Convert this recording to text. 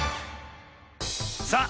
さあ